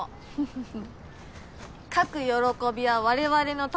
フフフ。